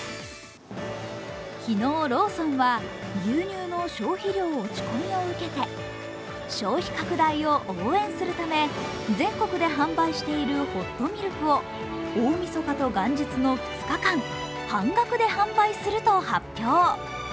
昨日ローソンは牛乳の消費量の落ち込みを受け、消費拡大を応援するため全国で販売しているホットミルクを大みそかと元日の２日間、半額で販売すると発表。